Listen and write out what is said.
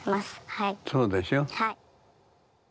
はい。